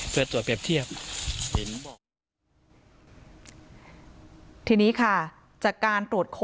เพื่อตรวจเปรียบเทียบ